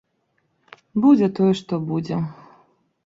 Будзе тое, што будзе.